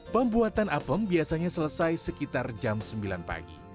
pembuatan apem biasanya selesai sekitar jam sembilan pagi